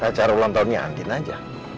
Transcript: acara ulang tahunnya andin aja